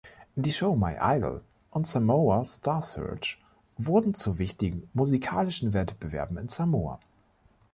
Die Shows „My Idol“ und „Samoa Star Search“ wurden zu wichtigen musikalischen Wettbewerben in Samoa.